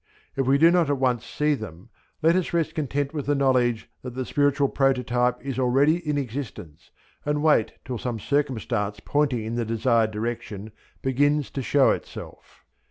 If we do not at once see them, let us rest content with the knowledge that the spiritual prototype is already in existence and wait till some circumstance pointing in the desired direction begins to show itself.